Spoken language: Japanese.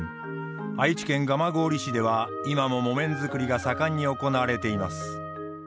愛知県蒲郡市では今も木綿作りが盛んに行われています。